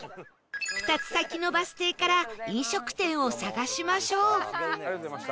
２つ先のバス停から飲食店を探しましょう